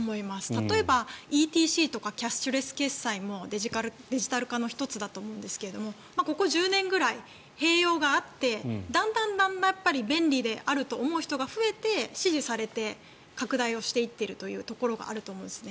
例えば、ＥＴＣとかキャッシュレス決済もデジタル化の１つだと思うんですがここ１０年ぐらい、併用があってだんだんやっぱり便利であると思う人が増えて支持されて拡大をしていってるというところがあると思うんです。